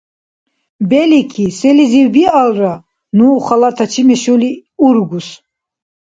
Белики, селизив-биалра, ну халатачи мешули ургус.